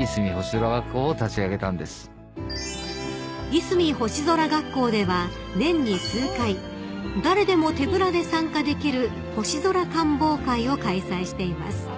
［いすみ星空学校では年に数回誰でも手ぶらで参加できる星空観望会を開催しています］